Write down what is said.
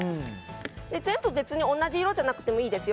全部同じ色じゃなくてもいいですよ。